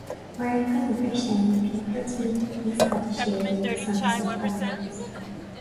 Murach an obair sin bheadh rudaí níos faide siar go suntasach gan amhras